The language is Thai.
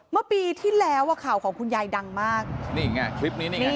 เมื่อปีที่แล้วอ่ะข่าวของคุณยายดังมากนี่ไงคลิปนี้นี่ไง